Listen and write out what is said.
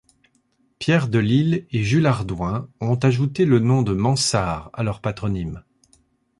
Pierre Delisle et Jules Hardouin ont ajouté le nom de Mansart à leur patronyme.